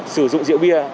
sử dụng rượu bia